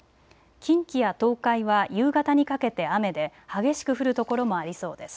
近畿や東海は夕方にかけて雨で激しく降る所もありそうです。